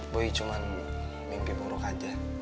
boy cuman mimpi buruk aja